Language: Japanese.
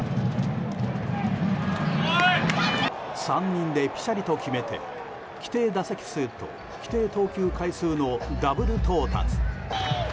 ３人で、ぴしゃりと決めて規定打席数と規定投球回数のダブル到達。